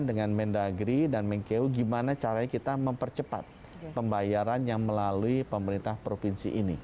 dan mendagri dan mengkeu gimana caranya kita mempercepat pembayaran yang melalui pemerintah provinsi ini